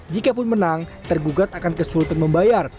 jikapun menang tergugat akan kesulitan membayar